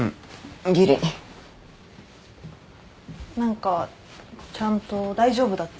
何かちゃんと大丈夫だった？